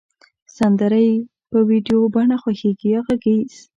سندری د په ویډیو بڼه خوښیږی یا غږیز